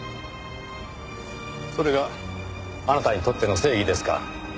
それがあなたにとっての正義ですか。